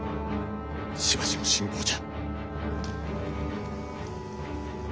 しばしの辛抱じゃ。